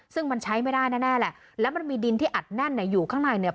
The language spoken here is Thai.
ซึ่งมันใช้ไม่ได้แน่แน่แหละแล้วมันมีดินที่อัดแน่นเนี่ยอยู่ข้างในเนี่ย